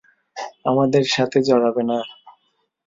আমাদের সাথে জরাবে না।